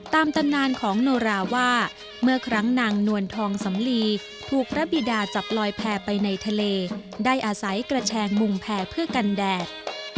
ตำนานของโนราว่าเมื่อครั้งนางนวลทองสำลีถูกพระบิดาจับลอยแพร่ไปในทะเลได้อาศัยกระแชงมุงแพรเพื่อกันแดด